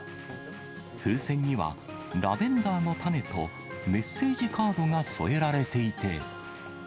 風船には、ラベンダーの種とメッセージカードが添えられていて。